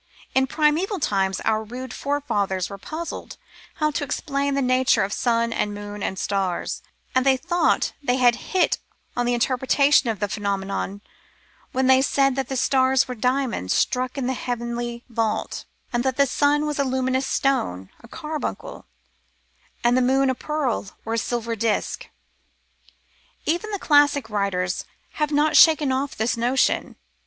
In primeval times, our rude forefathers were puzzled how to explain the nature of sun and moon and stars, and they thought they had hit on the interpretation of the phenomenon when they said that the stars were diamonds stuck in the heavenly vault, and that the sun was a luminous stone, a carbuncle ; and the moon a pearl or silver disk. Even the classic writers had not shaken off this notion.